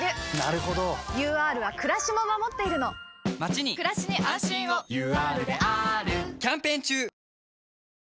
ＵＲはくらしも守っているのまちにくらしに安心をＵＲであーるキャンペーン中！